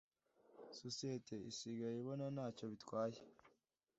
sosiyete isigaye ibona ntacyo bitwaye